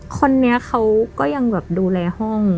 คนนี้เขาก็ยังแบบดูแลห้อง